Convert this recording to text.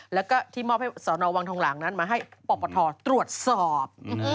แล้วก็ที่มอบให้สนวังทองหลังนั้นมาให้ปปทตรวจสอบ